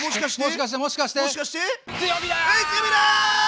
もしかしてもしかして？